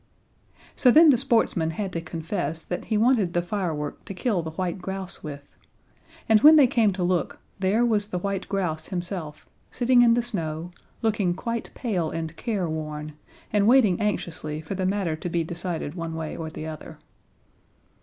So then the sportsman had to confess that he wanted the firework to kill the white grouse with; and, when they came to look, there was the white grouse himself, sitting in the snow, looking quite pale and careworn, and waiting anxiously for the matter to be decided one way or the other.